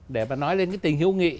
để mà nói lên cái tình hiếu nghị